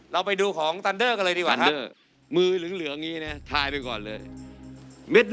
เราไปดูของตันเดอร์กันเลยดีกว่าครับ